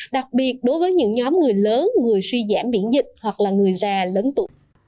đặc biệt đối với những nhóm người lớn người suy giảm biển dịch hoặc là người già lớn tụi